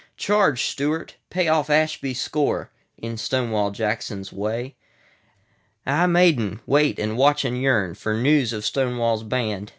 Charge, Stuart! Pay off Ashby's score, In Stonewall Jackson's Way.Ah, Maiden! wait and watch and yearnFor news of Stonewall's band.